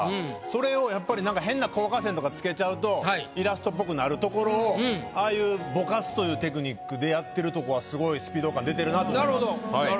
それをやっぱり変な効果線とかつけちゃうとイラストっぽくなるところをああいうぼかすというテクニックでやってるとこがすごいスピード感出てるなと思います。